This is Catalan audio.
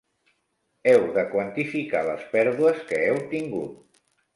Heu de quantificar les pèrdues que heu tingut.